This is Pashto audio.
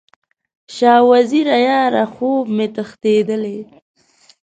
شاه وزیره یاره، خوب مې تښتیدلی